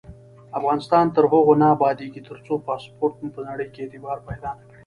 افغانستان تر هغو نه ابادیږي، ترڅو پاسپورت مو په نړۍ کې اعتبار پیدا نکړي.